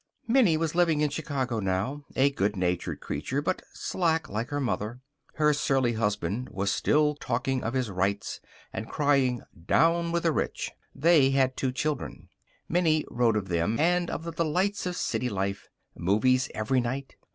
Minnie was living in Chicago now a good natured creature, but slack like her mother. Her surly husband was still talking of his rights and crying down with the rich. They had two children. Minnie wrote of them, and of the delights of city life. Movies every night.